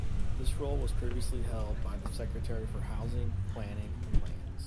This role was previously held by the Secretary for Housing, Planning and Lands.